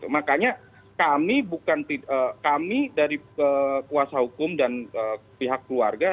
makanya kami dari kekuasaan hukum dan pihak keluarga